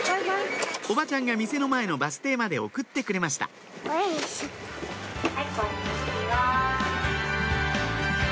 おばちゃんが店の前のバス停まで送ってくれましたよいしょっと！